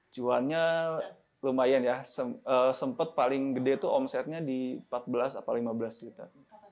jualannya lumayan ya sempat paling gede tuh omsetnya di empat belas atau lima belas juta